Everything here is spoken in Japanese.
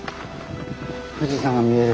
富士山が見える。